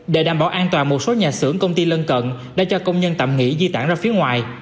để đảm bảo an toàn một số nhà xưởng công ty lân cận đã cho công nhân tạm nghỉ di tản ra phía ngoài